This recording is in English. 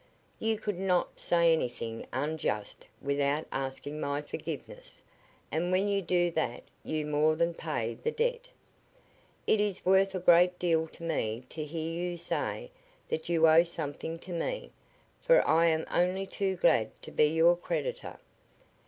You could not say anything unjust without asking my forgiveness, and when you do that you more than pay the debt. It is worth a great deal to me to hear you say that you owe something to me, for I am only too glad to be your creditor.